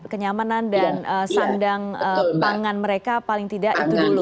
kenyamanan dan sandang pangan mereka paling tidak itu dulu